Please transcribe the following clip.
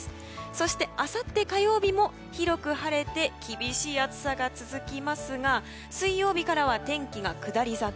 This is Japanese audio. そして、あさって火曜日も広く晴れて厳しい暑さが続きますが水曜日からは天気が下り坂。